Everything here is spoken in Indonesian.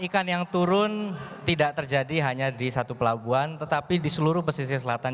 ikan yang turun tidak terjadi hanya di satu pelabuhan tetapi di seluruh pesisir selatan